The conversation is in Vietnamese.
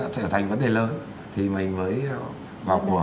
thể thành vấn đề lớn thì mình mới vào cuộc